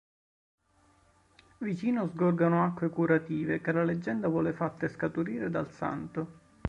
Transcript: Vicino sgorgano acque curative che la leggenda vuole fatte scaturire dal santo.